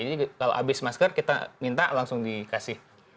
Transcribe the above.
jadi kalau habis masker kita minta langsung dikasih